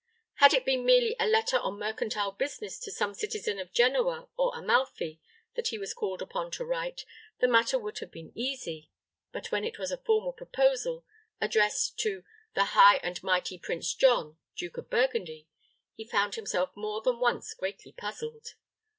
Had it been merely a letter on mercantile business to some citizen of Genoa or Amalfi that he was called upon to write, the matter would have been easy; but when it was a formal proposal, addressed to "The High and Mighty Prince John, Duke of Burgundy," he found himself more than once greatly puzzled.